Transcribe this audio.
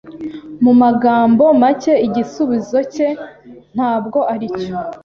Mu magambo make, igisubizo cye ntabwo aricyo.